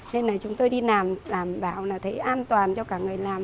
nên là chúng tôi đi làm đảm bảo là thấy an toàn cho cả người làm